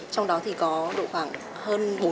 trong đó thì có độ khoảng hơn bốn